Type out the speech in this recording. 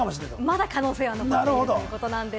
まだ可能性は残っているということなんです。